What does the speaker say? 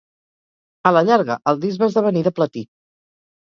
A la llarga, el disc va esdevenir de platí.